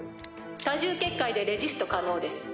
多重結界でレジスト可能です。